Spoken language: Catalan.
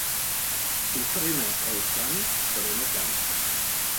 Ofrena el sant, però no tant.